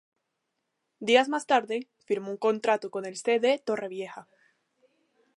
Días más tarde, firmó un contrato con el C. D. Torrevieja.